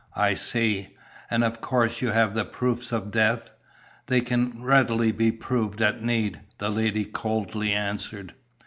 "I see. And of course you have the proofs of death?" "They can readily be proved at need," the lady coldly answered.